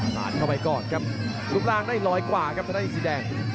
ผ่านเข้าไปก่อนครับรูปร่างได้ร้อยกว่าครับธนาเอกสีแดง